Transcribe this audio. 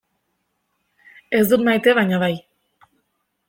Ez dut maite baina bai.